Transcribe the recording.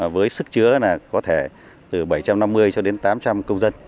với sức chứa có thể từ bảy trăm năm mươi cho đến tám trăm linh công dân